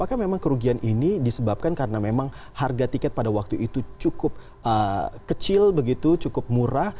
apakah memang kerugian ini disebabkan karena memang harga tiket pada waktu itu cukup kecil begitu cukup murah